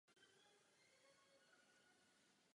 Stal se jim bývalí viceprezident Giancarlo Abete.